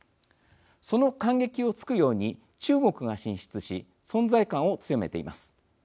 その間隙を突くように中国が進出し存在感を強めています。